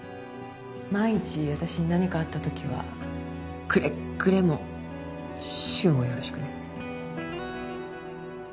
万一私に何かあった時はくれぐれも瞬をよろしくね。